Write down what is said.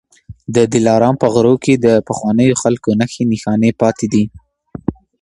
د دلارام په غرو کي د پخوانيو خلکو نښې نښانې پاتې دي